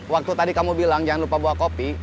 waktu tadi kamu bilang jangan lupa bawa kopi